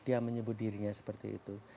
dia menyebut dirinya seperti itu